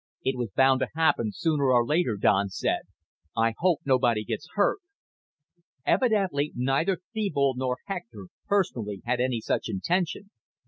"It was bound to happen, sooner or later," Don said. "I hope nobody gets hurt." Evidently neither Thebold nor Hector personally had any such intention.